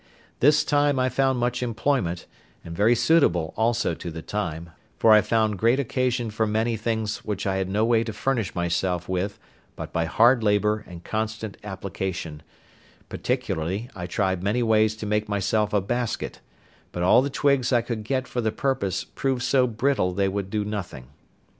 This time I found much employment, and very suitable also to the time, for I found great occasion for many things which I had no way to furnish myself with but by hard labour and constant application; particularly I tried many ways to make myself a basket, but all the twigs I could get for the purpose proved so brittle that they would do nothing.